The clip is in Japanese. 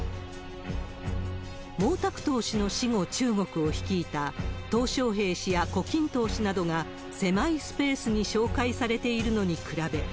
毛沢東氏の死後、中国を率いた小平氏や胡錦涛氏などが、狭いスペースに紹介されているのに比べ。